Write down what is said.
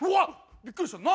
びっくりした何？